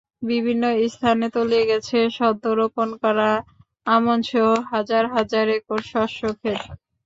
বিভিন্ন স্থানে তলিয়ে গেছে সদ্য রোপণ করা আমনসহ হাজার হাজার একর শস্যখেত।